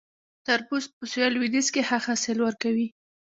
تربوز په سویل لویدیځ کې ښه حاصل ورکوي